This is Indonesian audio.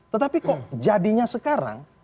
tetapi kok jadinya sekarang